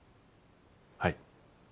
はい。